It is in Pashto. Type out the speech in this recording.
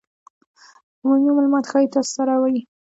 عمومي مالومات ښایي تاسو سره وي